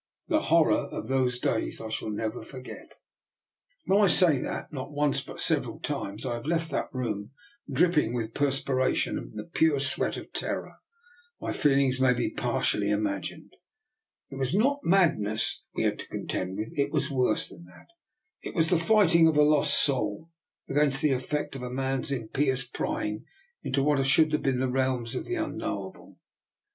The horror of those days I shall never forget. When I say that not once but several times I have left that room dripping with perspira tion, the pure sweat of terror, my feelings may be partially imagined. It was not mad ness we had to contend with; it was worse than that. It was the fighting of a lost soul against the effect of man's impious prying into what should have been the realms of the unknowable.